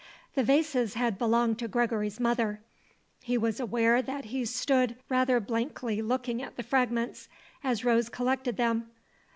The vases had belonged to Gregory's mother. He was aware that he stood rather blankly looking at the fragments, as Rose collected them.